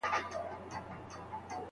ستا په لاس کې د گلونو فلسفې ته